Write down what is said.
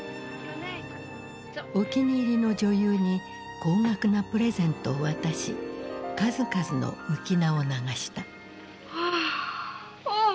お気に入りの女優に高額なプレゼントを渡し数々の浮き名を流した。